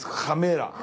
カメラ